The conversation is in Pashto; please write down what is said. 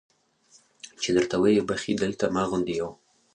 چې درته ویې بخښي دلته ما غوندې یو.